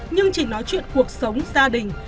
nhưng chỉ nói chuyện cuộc sống gia đình